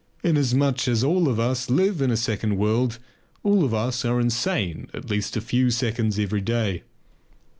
Inasmuch as all of us live in a second world, all of us are insane at least a few seconds every day.